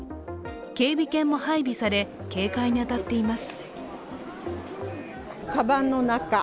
警備犬も配備され、警戒に当たっています。